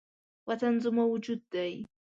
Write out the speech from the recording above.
وطن زما وجود دی